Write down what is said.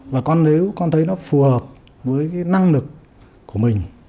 và nếu con thấy nó phù hợp với năng lực của mình